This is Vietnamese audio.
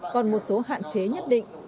còn một số hạn chế nhất định